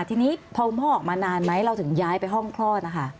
ทีนี้พอคุณพ่อออกมานานไหมเราถึงย้ายไปห้องคลอดนะคะ